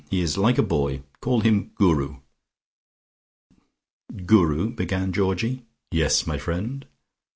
He is like a boy. Call him 'Guru.'" "Guru, " began Georgie. "Yes, my friend."